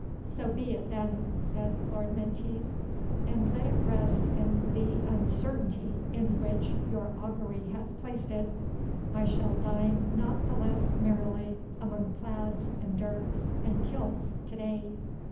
"So be it then," said Lord Menteith, "and let it rest in the uncertainty in which your augury has placed it. I shall dine not the less merrily among plaids, and dirks, and kilts to day."